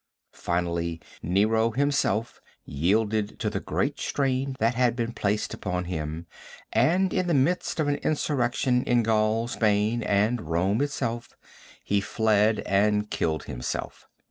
Finally, Nero himself yielded to the great strain that had been placed upon him and, in the midst of an insurrection in Gaul, Spain and Rome itself, he fled and killed himself.